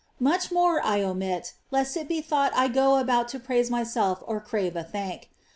Much more I omit, lest it be thought I p alxjut to prais^e myself or crave a thank.